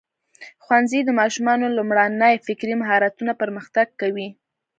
ښوونځی د ماشومانو لومړني فکري مهارتونه پرمختګ کوي.